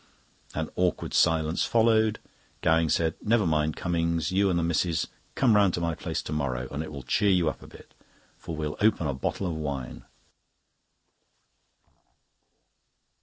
An awkward silence followed. Gowing said: "Never mind, Cummings, you and the missis come round to my place to morrow, and it will cheer you up a bit; for we'll open a bottle of wine."